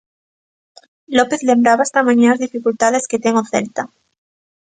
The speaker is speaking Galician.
López lembraba esta mañá as dificultades que ten o Celta.